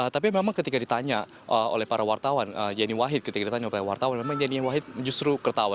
tapi memang ketika ditanya oleh para wartawan yeni wahid ketika ditanya oleh wartawan memang yeni wahid justru ketawa